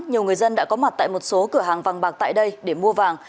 nhiều người dân đã có mặt tại một số cửa hàng vàng bạc tại đây để mua vàng